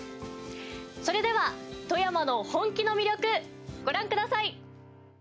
それでは富山の本気の魅力ご覧ください。